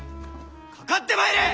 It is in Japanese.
かかってまいれ！